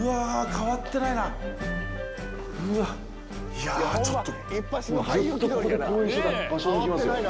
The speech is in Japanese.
いやちょっと。